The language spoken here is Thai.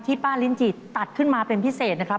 ป้าลิ้นจีตัดขึ้นมาเป็นพิเศษนะครับ